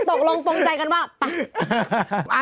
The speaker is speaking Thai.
ตกลงตรงใจกันว่าไป